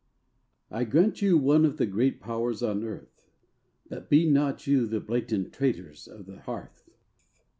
I grant you one of the great Powers on earth, But be not you the blatant traitors of the hearth.